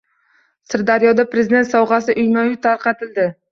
Sirdaryoda “Prezident sovg‘asi” uyma-uy tarqatildi